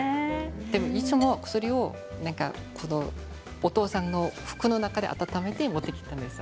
いつもお父さんの服の中で温めて持ってきてくれたんです。